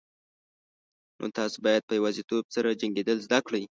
نو تاسو باید په یوازیتوب سره جنگیدل زده کړئ.